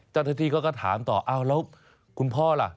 เจ้าหน้าที่เขาก็ถามต่ออ้าวแล้วคุณพ่อล่ะ